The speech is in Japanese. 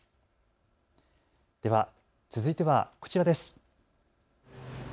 では続いてはこちらです。